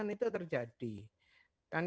kami lakukan penelitiannya